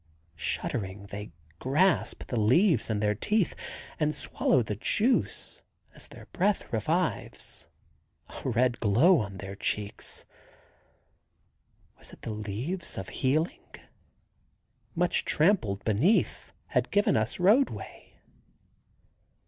Shuddering, they grasp the leaves in their teeth and swallow the juice as their breath revives. A red glow on their cheeks. Was it the leaves of healing? Much trampled beneath had given us roadway.